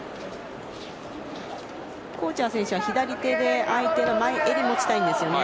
コーチャー選手は左手で相手の前襟を持ちたいんですよね。